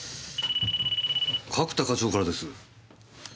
角田課長からです。